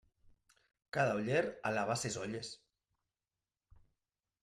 Cada oller alaba ses olles.